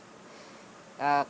kresno biasanya apa merah